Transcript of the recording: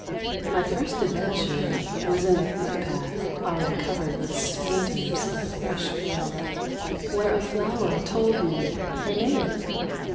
My first adventure was in a footpath already with splinters of fresh pale light, where a flower told me name.